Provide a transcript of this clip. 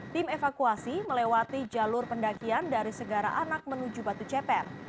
tim evakuasi melewati jalur pendakian dari segara anak menuju batu ceper